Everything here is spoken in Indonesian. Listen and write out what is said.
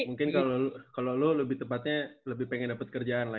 mungkin kalau lu lebih tepatnya lebih pengen dapet kerjaan lah ya